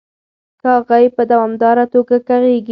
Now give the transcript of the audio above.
کاغۍ په دوامداره توګه کغیږي.